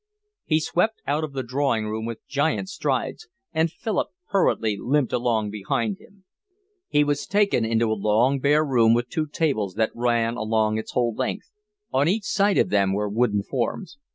He swept out of the drawing room with giant strides, and Philip hurriedly limped behind him. He was taken into a long, bare room with two tables that ran along its whole length; on each side of them were wooden forms.